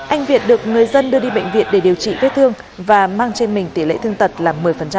anh việt được người dân đưa đi bệnh viện để điều trị vết thương và mang trên mình tỷ lệ thương tật là một mươi